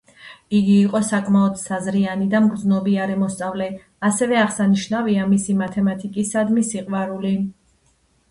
იგი იყო საკმაოდ საზრიანი და მგრძნობიარე მოსწავლე, ასევე აღსანიშნავია მისი მათემატიკისადმი სიყვარული.